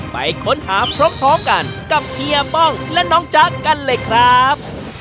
ไปค้นหาพร้อมกันกับเฮียป้องและน้องจ๊ะกันเลยครับ